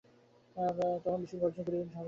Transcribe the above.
তখন ভীষণ গর্জন করিয়া ঝড় উঠিয়াছে।